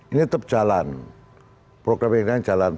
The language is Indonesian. ini tetap jalan program ini jalan